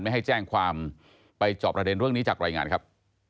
ไม่ให้แจ้งความไปจอบประเด็นเรื่องนี้จากรายงานครับ